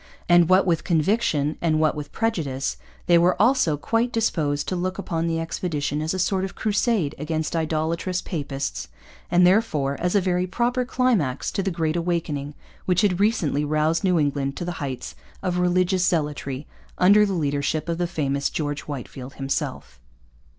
And, what with conviction and what with prejudice, they were also quite disposed to look upon the expedition as a sort of Crusade against idolatrous papists, and therefore as a very proper climax to the Great Awakening which had recently roused New England to the heights of religious zealotry under the leadership of the famous George Whitefield himself.